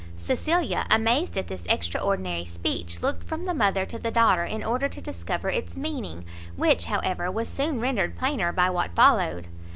Cecilia, amazed at this extraordinary speech, looked from the mother to the daughter in order to discover its meaning, which, however, was soon rendered plainer by what followed.